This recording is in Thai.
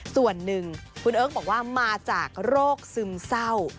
ส่วนหนึ่งคุณเอิ๊กบอกว่ามาจากโรคซึมเศร้า